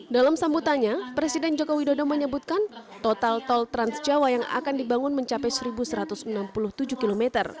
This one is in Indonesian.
dalam sambutannya presiden joko widodo menyebutkan total tol transjawa yang akan dibangun mencapai satu satu ratus enam puluh tujuh km